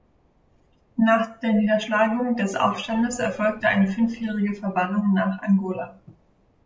Nach der Niederschlagung des Aufstandes erfolgte eine fünfjährige Verbannung nach Angola.